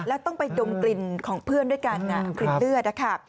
แล้วต้องไปดมกลิ่นของเพื่อนด้วยกันกลิ่นเลือดนะคะ